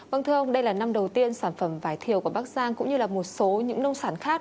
vâng thưa ông đây là năm đầu tiên sản phẩm vải thiều của bắc giang cũng như là một số những nông sản khác